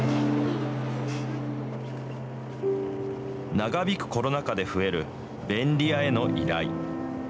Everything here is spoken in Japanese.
長引くコロナ禍で増える便利屋への依頼。